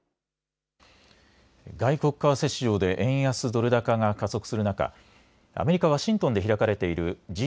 外国為替市場で円安ドル高が加速する中、アメリカ・ワシントンで開かれているＧ２０・